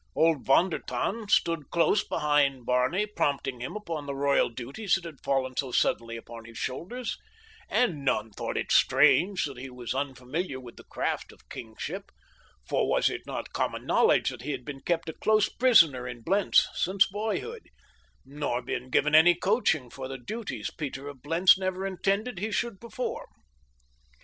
Old Von der Tann stood close behind Barney prompting him upon the royal duties that had fallen so suddenly upon his shoulders, and none thought it strange that he was unfamiliar with the craft of kingship, for was it not common knowledge that he had been kept a close prisoner in Blentz since boyhood, nor been given any coaching for the duties Peter of Blentz never intended he should perform?